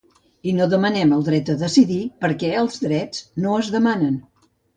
I no demanem el dret de decidir perquè els drets no es demanen.